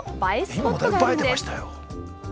スポットがあるんです。